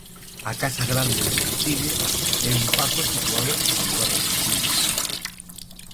A Casa Grande de Lentille é un pazo situado no lugar de Lentille.